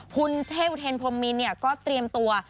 คุณเท่อุเทนพรมมินก็เตรียมตัว